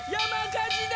・かじだ！